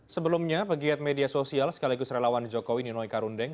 sebelumnya pegiat media sosial sekaligus relawan jokowi ninoi karundeng